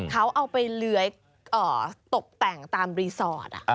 เขาเอาไปเลื้อยตกแต่งตามรีสอร์ท